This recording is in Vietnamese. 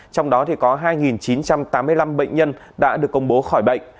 trong đó có hai chín trăm tám mươi năm bệnh nhân đã được công bố khỏi bệnh